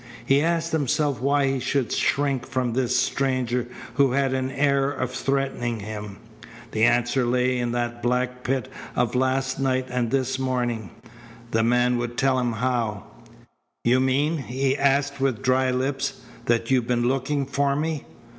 He asked himself why he should shrink from this stranger who had an air of threatening him. The answer lay in that black pit of last night and this morning. Unquestionably he had been indiscreet. The man would tell him how. "You mean," he asked with dry lips, "that you've been looking for me?